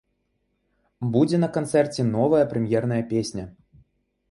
Будзе на канцэрце новая прэм'ерная песня.